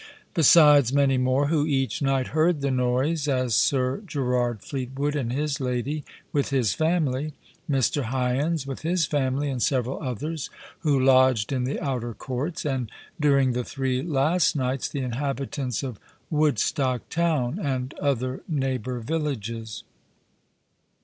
Besides many more, who each night heard the noise; as Sir Gerrard Fleetwood and his lady, with his family, Mr. Hyans, with his family, and several others, who lodged in the outer courts; and during the three last nights, the inhabitants of Woodstock town, and other neighbor villages.